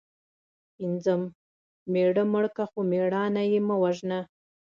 پنځم:مېړه مړ که خو مړانه یې مه وژنه